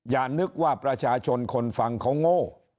อย่านึกว่าประชาชนคนฟังเขาโง่